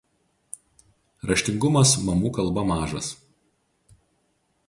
Raštingumas mamų kalba mažas.